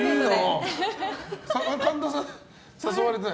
神田さん、誘われてない？